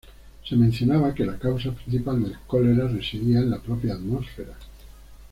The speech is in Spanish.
Se mencionaba que la causa principal del cólera residía en la propia atmósfera.